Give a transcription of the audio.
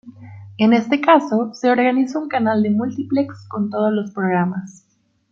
En este caso, se organiza un canal de múltiplex con todos los programas.